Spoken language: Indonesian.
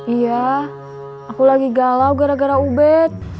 iya aku lagi galau gara gara ubed